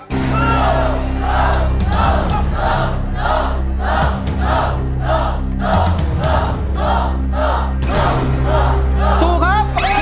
สู้สู้สู้สู้สู้สู้สู้สู้สู้สู้สู้สู้สู้สู้